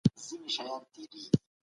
نو ولې ځنډ کوئ؟